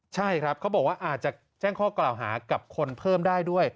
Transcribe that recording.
ใช่ครับเขาบอกว่าอาจจะแจ้งข้อกล่าวหากับคนเพิ่มได้ด้วย